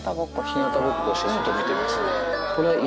ひなたぼっこして外見てます。